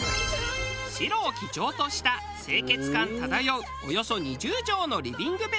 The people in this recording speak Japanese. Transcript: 白を基調とした清潔感漂うおよそ２０畳のリビングベッドルーム。